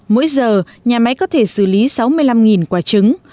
mỗi giờ nhà máy có thể xử lý sáu mươi năm quả trứng